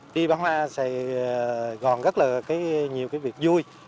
đi bán hoa sẽ gòn rất là nhiều cái việc vui